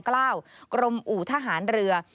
กรมอู่ทหารเรือ